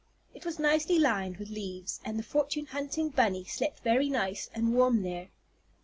It was nicely lined with leaves, and the fortune hunting bunny slept very nice and warm there.